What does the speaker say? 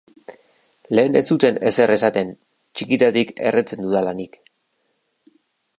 Lehen ez zuten ezer esaten, txikitatik erretzen dudala nik.